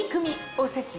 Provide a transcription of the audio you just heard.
おせち